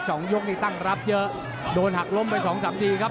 สองยกนี่ตั้งรับเยอะโดนหักล้มไปสองสามทีครับ